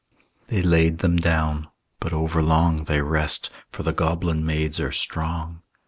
They laid them down; but over long They rest, for the goblin maids are strong.